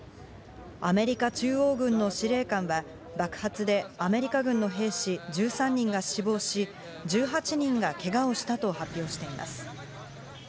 アメリカ中央軍の司令官は爆発でアメリカ軍の兵士１３人が死亡し、１８人がけがをしたと発表しています。